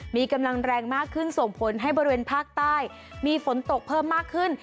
มีกำลังแรงมากขึ้นส่งผลให้บริเวณภาคใต้มีฝนตกเพิ่มมากขึ้น